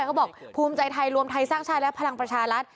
เขาบอกภูมิใจไทยรวมไทยสร้างชาติและพลังประชารัฐ